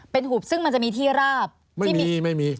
เป็นหุบซึ่งมันจะมีที่ราบไม่มีไม่มี